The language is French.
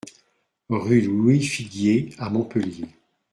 Rue Louis Figuier à Montpellier